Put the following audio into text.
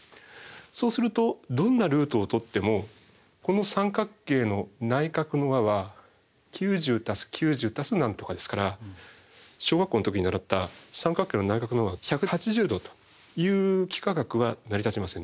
そうするとどんなルートをとってもこの三角形の内角の和は９０＋９０＋何とかですから小学校の時に習った三角形の内角の和は１８０度という幾何学は成り立ちませんね。